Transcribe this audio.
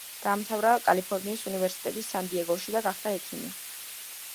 დაამთავრა კალიფორნიის უნივერსიტეტი სან-დიეგოში და გახდა ექიმი.